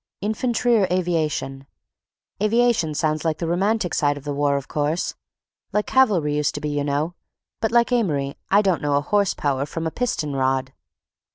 "Infantry or aviation—aviation sounds like the romantic side of the war, of course—like cavalry used to be, you know; but like Amory I don't know a horse power from a piston rod."